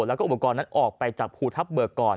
แล้วก็อุปกรณ์นั้นออกไปจากภูทับเบิกก่อน